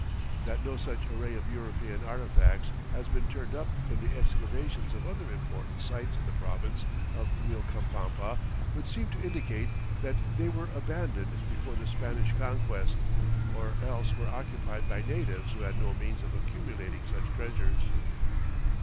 That no such array of European artifacts has been turned up in the excavations of other important sites in the province of Uilcapampa would seem to indicate that they were abandoned before the Spanish Conquest or else were occupied by natives who had no means of accumulating such treasures.